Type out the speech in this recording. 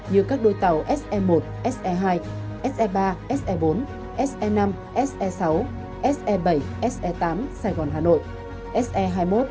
như các đôi tàu se một se hai se ba se bốn se năm se sáu se bảy se tám sài gòn hà nội